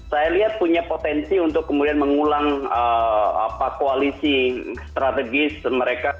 saya lihat punya potensi untuk kemudian mengulang koalisi strategis mereka di dua ribu dua puluh empat